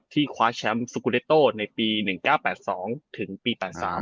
ที่คว้าแชมไปสกุโลเคตะท์ใน๑๙๘๒ถึงปี๘๓